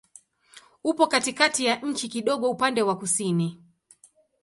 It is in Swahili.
Upo katikati ya nchi, kidogo upande wa kusini.